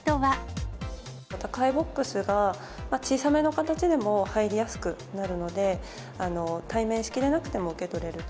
宅配ボックスが小さめの形でも入りやすくなるので、対面式じゃなくても受け取れる。